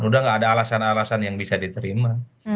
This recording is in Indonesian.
udah gak ada alasan alasan yang bisa diterima